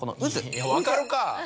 分かるか！